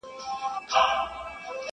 له نسل څخه نسل ته انتقالېږي ,